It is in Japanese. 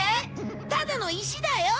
ただの石だよ？